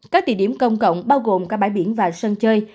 các địa điểm công cộng bao gồm các bãi biển và sân chơi